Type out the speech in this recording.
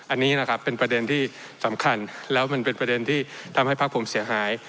อันนี้เป็นประเด็นที่สำคัญและเป็นประเด็นที่ทำให้ภาคผมเสียหาย